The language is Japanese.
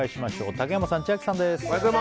竹山さん、千秋さんです。